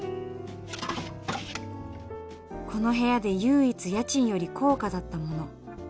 この部屋で唯一家賃より高価だったもの